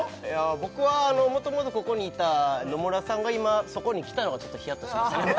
僕はもともとここにいた野村さんが今そこに来たのがちょっとヒヤッとしました